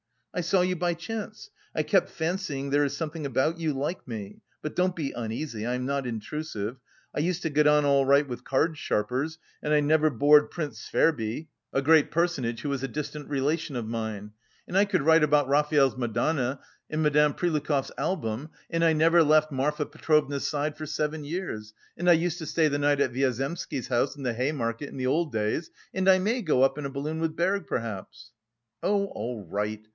"I saw you by chance.... I kept fancying there is something about you like me.... But don't be uneasy. I am not intrusive; I used to get on all right with card sharpers, and I never bored Prince Svirbey, a great personage who is a distant relation of mine, and I could write about Raphael's Madonna in Madam Prilukov's album, and I never left Marfa Petrovna's side for seven years, and I used to stay the night at Viazemsky's house in the Hay Market in the old days, and I may go up in a balloon with Berg, perhaps." "Oh, all right.